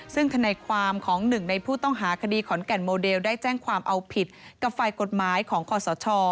ซึ่งธนายความของหนึ่งในผู้ต้องหาคดีขอนแก่นโมเดลได้แจ้งความเอาผิดกับฝ่ายกฎหมายของคอสช